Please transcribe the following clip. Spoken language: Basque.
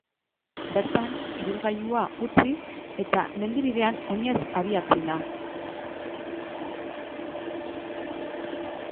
Bertan, ibilgailua utzi eta mendi-bidean oinez abiatzen da.